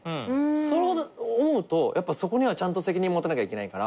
そう思うとやっぱそこにはちゃんと責任持たなきゃいけないから。